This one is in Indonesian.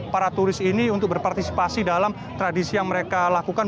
para turis ini untuk berpartisipasi dalam tradisi yang mereka lakukan